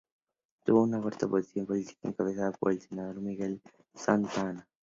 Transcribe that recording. Tuvo una fuerte oposición política encabezada por el senador Miguel G. Santa Ana.